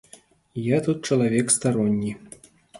Я тут чалавек старонні.